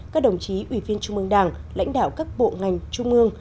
các đồng chí ủy viên trung mương đảng lãnh đạo các bộ ngành trung ương